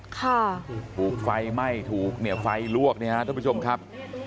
ถูกไฟไหม้ถูกเนี่ยไฟลวกเนี่ยฮะท่านผู้ชมครับ